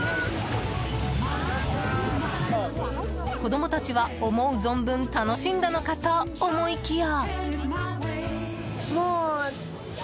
子供たちは、思う存分楽しんだのかと思いきや。